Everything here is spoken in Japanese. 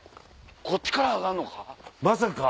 こっちから上がんのか？